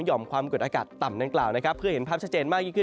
่อมความกดอากาศต่ำดังกล่าวนะครับเพื่อเห็นภาพชัดเจนมากยิ่งขึ้น